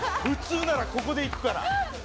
普通ならここでいくから」